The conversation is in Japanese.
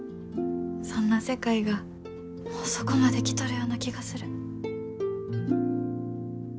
そんな世界がもうそこまで来とるような気がする。